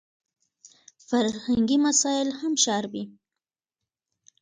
فرهنګي مسایل هم شاربي.